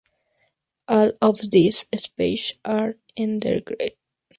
All of these species are endangered.